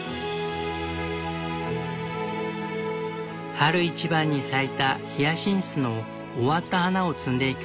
春一番に咲いたヒヤシンスの終わった花を摘んでいく。